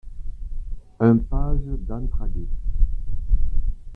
Un page d’Entraguet.